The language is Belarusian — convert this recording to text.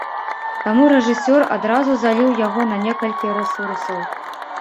Таму рэжысёр адразу заліў яго на некалькі рэсурсаў.